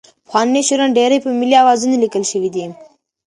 پخواني شعرونه ډېری په ملي اوزانو لیکل شوي دي.